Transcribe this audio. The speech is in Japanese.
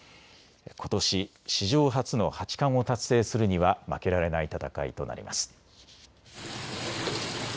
ことし史上初の八冠を達成するには負けられない戦いとなります。